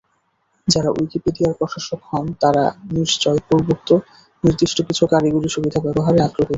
যারা উইকিপিডিয়ার প্রশাসক হন, তারা নিশ্চয় পূর্বোক্ত নির্দিষ্ট কিছু কারিগরী সুবিধা ব্যবহারে আগ্রহী।